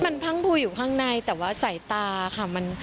มันพังพูอยู่ข้างในแต่ว่าสายตาค่ะ